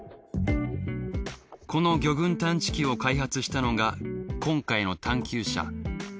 この魚群探知機を開発したのが今回の探究者。